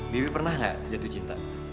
bibi pernah nggak jatuh cinta